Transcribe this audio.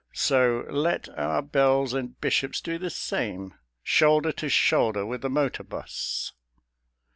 So let our bells and bishops do the same, Shoulder to shoulder with the motor bus.